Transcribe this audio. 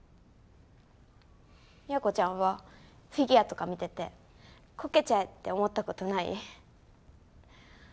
都ちゃんはフィギュアとか見ててコケちゃえって思ったことない？